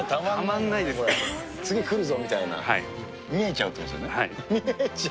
次来るぞみたいな、見えちゃうということですね。